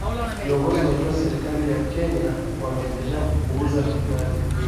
viongozi wa juu wa serikali ya kenya wameendelea kuupuuza vikali